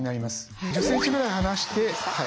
１０センチぐらい離して。